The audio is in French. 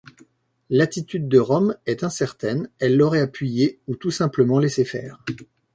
L'attitude de Rome est incertaine, elle l'aurait appuyé ou tout simplement laissé faire.